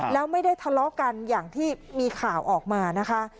แล้วไม่ได้ทะเลาะกันอย่างที่มีข่าวออกมานะคะ